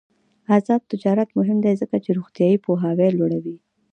آزاد تجارت مهم دی ځکه چې روغتیايي پوهاوی لوړوي.